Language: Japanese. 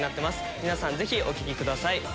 皆さんぜひお聴きください。